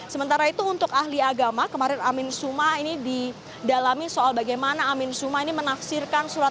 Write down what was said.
sementara itu untuk ahli agama kemarin amin suma ini didalami soal bagaimana amin suma ini menafsirkan surat al maidah ayat lima puluh satu